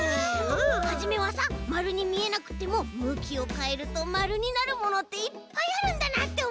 はじめはさまるにみえなくってもむきをかえるとまるになるものっていっぱいあるんだなっておもったんだよ！